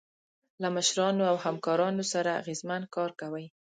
له مشرانو او همکارانو سره اغیزمن کار کوئ.